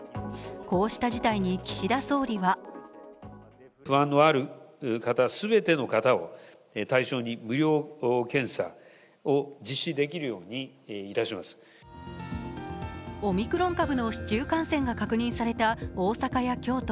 こうした事態に岸田総理はオミクロン株の市中感染が確認された大阪や京都。